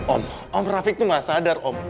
om om rafiq tuh gak sadar om